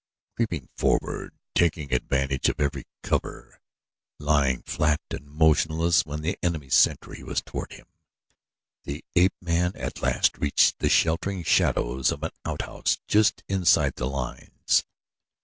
Creeping forward, taking advantage of every cover, lying flat and motionless when the sentry's face was toward him, the ape man at last reached the sheltering shadows of an outhouse just inside the lines.